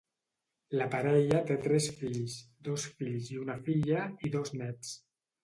La parella té tres fills, dos fills i una filla, i dos nets.